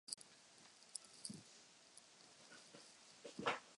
William Anders se zúčastnil první pilotované mise k Měsíci.